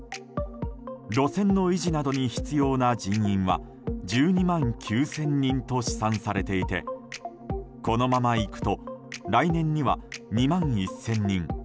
路線の維持などに必要な人員は１２万９０００人と試算されていてこのままいくと来年には２万１０００人